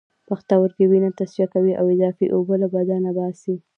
پښتورګي وینه تصفیه کوي او اضافی اوبه له بدن باسي